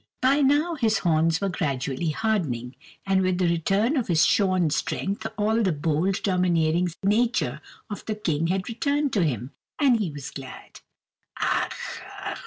But now his horns were gradually hardening, and with the return of his shorn strength all the bold, domineering nature of the King had returned to him, and he was glad.